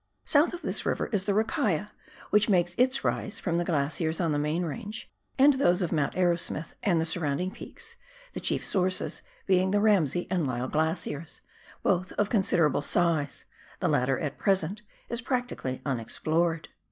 South of this river is the Rakaia, which takes its rise from glaciers on the main range and those of Mount Arrowsmith and the surrounding peaks, the chief sources being the Ramsay and Lyall glaciers, both of considerable size ; the latter at present is practically unexplored.